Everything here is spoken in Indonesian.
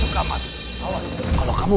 ini ikut patricia juga tidak ada